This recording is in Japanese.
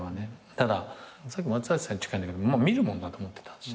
ただ松橋さんに近いんだけど見るもんだと思ってた。